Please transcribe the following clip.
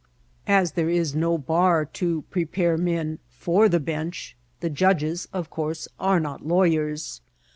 As there is no bar to prepare men for the bench, the judges, of course, are not lawyers.